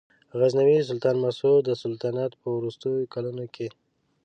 غزنوي سلطان مسعود د سلطنت په وروستیو کلونو کې.